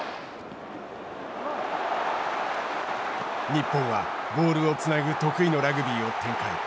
日本はボールをつなぐ得意のラグビーを展開。